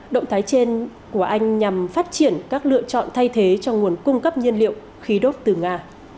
động thái trên của anh nhằm phát triển các lựa chọn thay thế cho nguồn cung cấp nhiên liệu khí đốt từ nga